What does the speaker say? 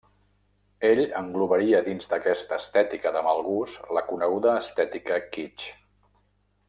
Ell englobaria dins d'aquesta estètica del mal gust la coneguda estètica kitsch.